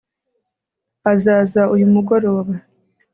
azaza uyu mugoroba